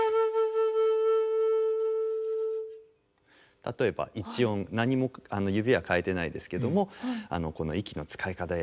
例えば一音何も指は変えてないですけどもこの息の使い方で。